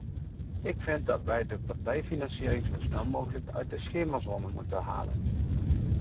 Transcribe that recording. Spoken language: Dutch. Ik vind dat wij de partijfinanciering zo snel mogelijk uit die schemerzone moeten halen.